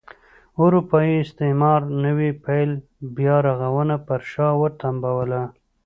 اروپايي استعمار نوي پیل بیا رغونه پر شا وتمبوله.